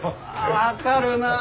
分かるなあ。